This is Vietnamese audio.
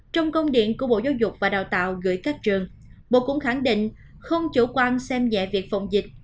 trong công điện của bộ giáo dục và đào tạo gửi các trường bộ cũng khẳng định không chủ quan xem nhẹ việc phòng dịch